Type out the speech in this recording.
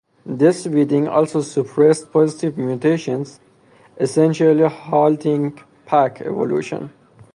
This weeding also suppressed positive mutations, essentially halting Pak evolution.